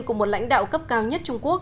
của một lãnh đạo cấp cao nhất trung quốc